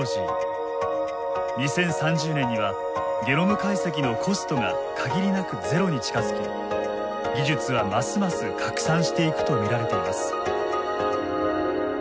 ２０３０年にはゲノム解析のコストが限りなくゼロに近づき技術はますます拡散していくと見られています。